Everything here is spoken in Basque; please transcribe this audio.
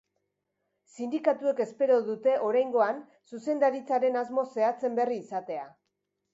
Sindikatuek espero dute oraingoan zuzendaritzaren asmo zehatzen berri izatea.